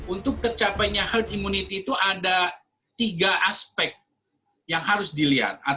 untuk tercapainya herd immunity itu ada tiga aspek yang harus dilihat